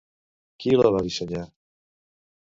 Qui la va dissenyar?